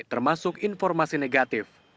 termasuk informasi negatif